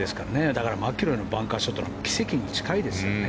だからマキロイのバンカーショットは奇跡に近いですよね。